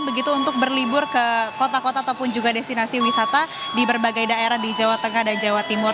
begitu untuk berlibur ke kota kota ataupun juga destinasi wisata di berbagai daerah di jawa tengah dan jawa timur